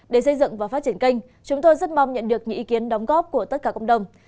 để xây dựng và phát triển kênh chúng tôi rất mong nhận được những ý kiến đóng góp của tất cả cộng đồng